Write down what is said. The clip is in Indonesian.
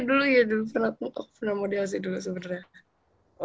dulu ya dulu pernah model sih dulu sebenernya